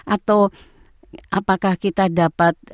atau apakah kita dapat